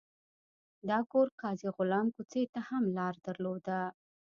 دا کور قاضي غلام کوڅې ته هم لار درلوده.